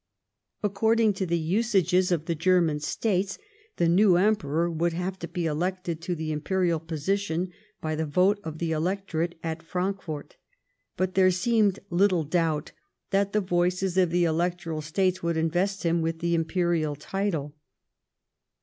According to the usages of the German States the new Emperor would have to be elected to the Imperial position by the vote of the Electorate at Frankfort, but there seemed little doubt that the voices of the Electoral States would invest him with the Imperial title.